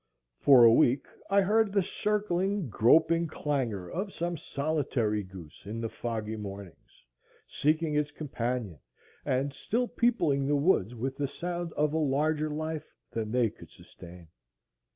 For a week I heard the circling, groping clangor of some solitary goose in the foggy mornings, seeking its companion, and still peopling the woods with the sound of a larger life than they could sustain.